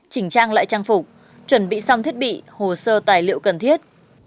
chỉnh trang lại trang phục chuẩn bị xong thiết bị hồ sơ tài liệu cần thiết